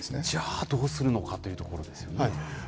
じゃあ、どうするのかというところですね。